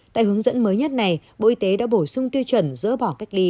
tại hướng dẫn mới nhất này bộ y tế đã bổ sung tiêu chuẩn dỡ bỏ cách ly